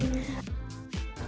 bagaimana cara membuatnya